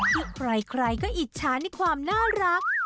ที่ใครก็อิจฉาในความน่ารัก